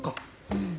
うん。